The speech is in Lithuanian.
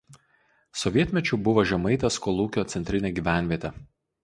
Sovietmečiu buvo Žemaitės kolūkio centrinė gyvenvietė.